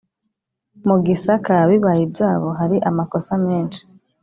mu Gisaka bibaye ibyabo Hari amakosa menshi